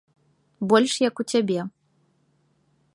Больш як у цябе.